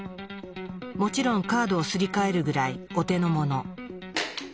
もちろんカードをすり替えるぐらいお手の物。